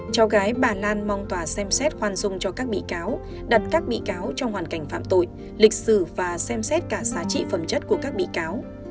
cháu gái bà lan mong tòa xem xét khoan dung cho các bị cáo đặt các bị cáo trong hoàn cảnh phạm tội lịch sử và xem xét cả giá trị phẩm chất của các bị cáo